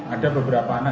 ada beberapa anak